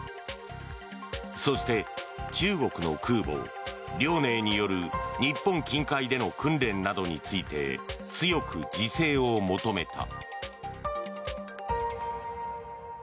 そして中国の空母「遼寧」による日本近海での訓練などについて強く自制を求めた。